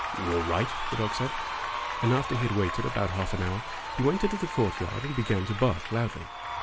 "All right," the dog said. And after he had waited about half an hour he went into the courtyard and began to bark loudly.